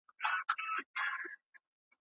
سوسیالیزم وده کړې ده.